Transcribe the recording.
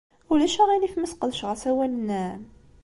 Ulac aɣilif ma sqedceɣ asawal-nnem?